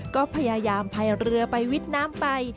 ก็พยายามพายเรือไปวิทย์น้ำไป